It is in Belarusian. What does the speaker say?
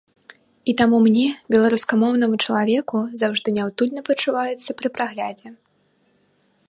І таму мне, беларускамоўнаму чалавеку, заўжды няўтульна пачуваецца пры праглядзе.